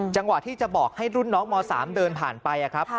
จังหวะที่จะบอกให้รุ่นน้องม๓เดินผ่านไปครับ